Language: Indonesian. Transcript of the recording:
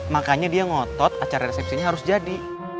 makanya dia ngotot acara resepsinya harus jadi